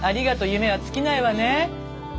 夢は尽きないわね。